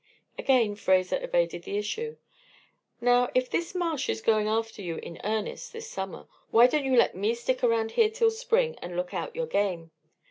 Again Fraser evaded the issue. "Now, if this Marsh is going after you in earnest this summer, why don't you let me stick around here till spring and look out your game?